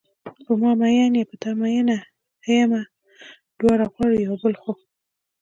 په ما میین یې په تا مینه همیمه دواړه غواړو یو بل خو